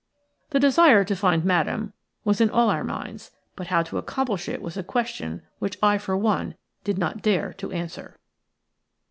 The desire to find Madame was in all our minds, but how to accomplish it was a question which I for one did not dare to answer.